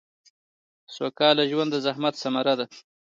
سوکاله ژوند د زحمت ثمره ده